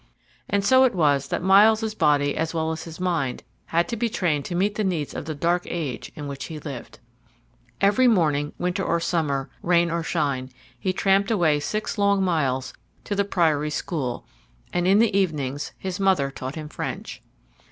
And so it was that Myles's body as well as his mind had to be trained to meet the needs of the dark age in which he lived. Every morning, winter or summer, rain or shine he tramped away six long miles to the priory school, and in the evenings his mother taught him French.